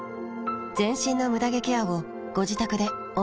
全身のムダ毛ケアをご自宅で思う存分。